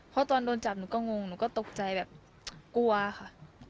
เพราะตอนโดนจับหนูก็งงหนูก็ตกใจแบบกลัวค่ะ